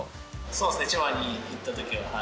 そうですね、千葉に行ったときは。